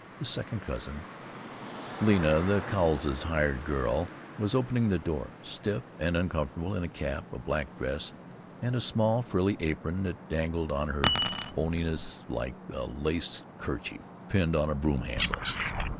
His second cousin, Lena, the Cowleses' "hired girl," was opening the door, stiff and uncomfortable in a cap, a black dress, and a small frilly apron that dangled on her boniness like a lace kerchief pinned on a broom handle.